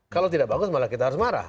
kalau tidak bagus malah kita harus marah